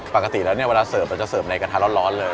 ปกติแล้วเนี่ยเวลาเสิร์ฟเราจะเสิร์ฟในกระทะร้อนเลย